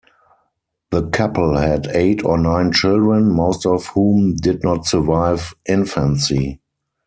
The couple had eight or nine children, most of whom did not survive infancy.